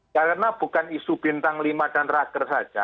karena bukan isu bintang lima dan raker saja